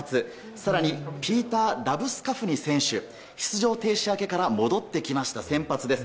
更に、ピーターラブスカフニ選手出場停止明けから戻ってきました先発です。